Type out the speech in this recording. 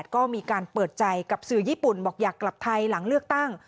ก็มีการเปิดใจกับสื่อญี่ปุ่นบอกอยากกลับไทยหลังเลือกตั้ง